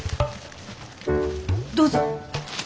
どうぞ。